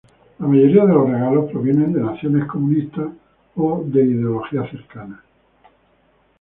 La mayoría de los regalos provienen de naciones comunistas o de ideologías cercanas.